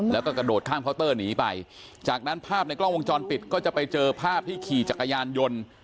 แล้วก็กระโดดข้ามเคาน์เตอร์หนีไปจากนั้นภาพในกล้องวงจรปิดก็จะไปเจอภาพที่ขี่จักรยานยนต์